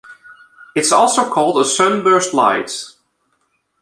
It is also called a "sunburst light".